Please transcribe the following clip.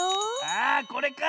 あこれか！